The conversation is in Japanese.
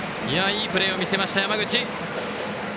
いいプレーを見せました、山口！